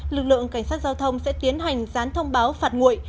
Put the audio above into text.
lực lượng cảnh sát giao thông sẽ tiến hành gián thông báo phạt nguội